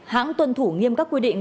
hãng tuân thủ nghiêm các quy định